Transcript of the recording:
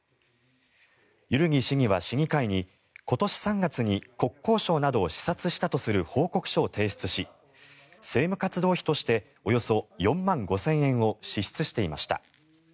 万木市議は市議会に今年３月に国交省などを視察したとする報告書を提出し政務活動費としておよそ４万５０００円を支出していました。